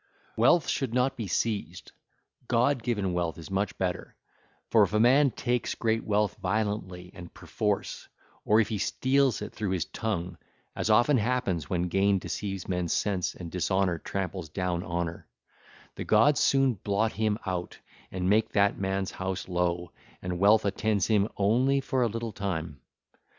(ll. 320 341) Wealth should not be seized: god given wealth is much better; for if a man take great wealth violently and perforce, or if he steal it through his tongue, as often happens when gain deceives men's sense and dishonour tramples down honour, the gods soon blot him out and make that man's house low, and wealth attends him only for a little time.